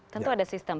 tentu ada sistem